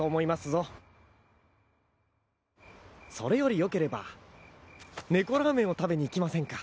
それよりよければ猫ラーメンを食べに行きませんか。